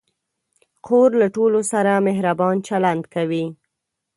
خور له ټولو سره مهربان چلند کوي.